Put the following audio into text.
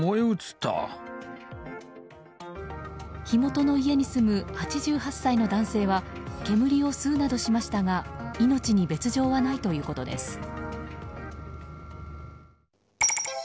火元の家に住む８８歳の男性は煙を吸うなどしましたが命に別条はないということです。